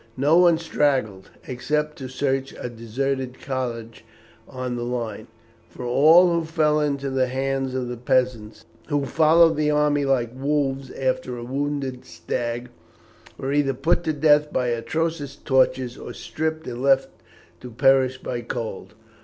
No one straggled, except to search a deserted cottage on the line, for all who fell into the hands of the peasants who followed the army like wolves after a wounded stag were either put to death by atrocious tortures, or stripped and left to perish by cold.